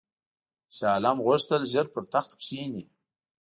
شاه عالم غوښتل ژر پر تخت کښېني.